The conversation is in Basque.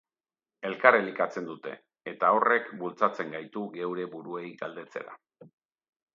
Elkar elikatzen dute, eta horrek bultzatzen gaitu geure buruei galdetzera.